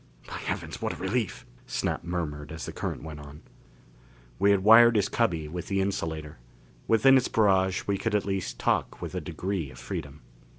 "By heavens, what a relief!" Snap murmured as the current went on. We had wired his cubby with the insulator; within its barrage we could at least talk with a degree of freedom.